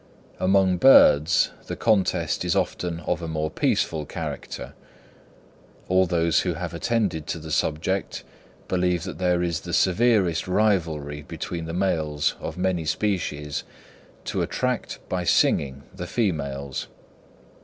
Among birds, the contest is often of a more peaceful character. All those who have attended to the subject, believe that there is the severest rivalry between the males of many species to attract, by singing, the females.